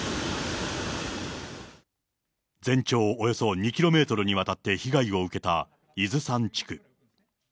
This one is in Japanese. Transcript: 全長およそ２キロメートルにわたって被害を受けた伊豆山地区。